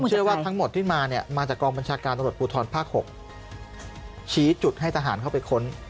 เชื่อว่าทั้งหมดที่มาเนี่ยมาจากกองบัญชาการตำรวจภูทรภาค๖ชี้จุดให้ทหารเข้าไปค้น